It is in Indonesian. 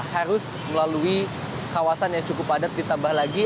harus melalui kawasan yang cukup padat ditambah lagi